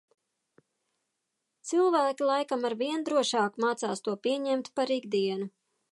Cilvēki laikam arvien drošāk mācās to pieņemt par ikdienu.